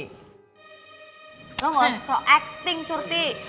lo gak usah acting surti